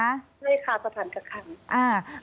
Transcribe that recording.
ใช่ค่ะสถานกักขัง